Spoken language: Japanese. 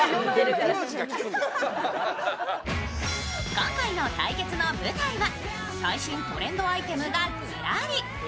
今回の対決の舞台は、最新トレンドアイテムがずらり。